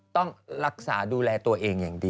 ต้องรักษาดูแลตัวเองอย่างดี